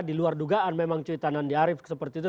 di luar dugaan memang cuitan andi arief seperti itu